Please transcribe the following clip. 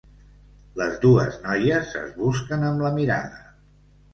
Les dues noies es busquen amb la mirada.